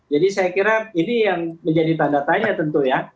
jadi saya kira ini yang menjadi tanda tanya tentu ya